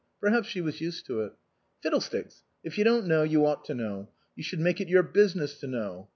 Perhaps she was used to it. " Fiddlesticks ! If you don't know, you ought to know ; you should make it your business to know.